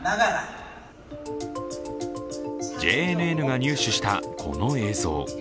ＪＮＮが入手したこの映像。